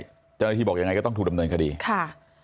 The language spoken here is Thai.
เจ้าหน้าที่บอกยังไงก็ต้องถูกดำเนินคดีค่ะ